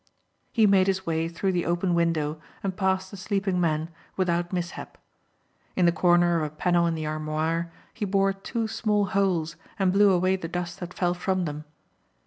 He made his way through the open window and past the sleeping men without mishap. In the corner of a panel in the armoire he bored two small holes and blew away the dust that fell from them.